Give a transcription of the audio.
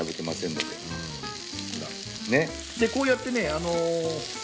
でこうやってね。